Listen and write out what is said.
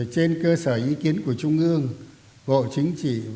trên cơ sở ý kiến của trung ương bộ chính trị